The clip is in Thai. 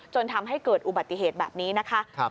จนทำให้เกิดอุบัติเหตุแบบนี้นะคะ